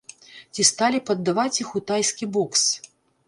Ці сталі б аддаваць іх у тайскі бокс?